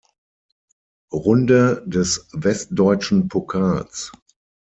Runde des Westdeutschen Pokals.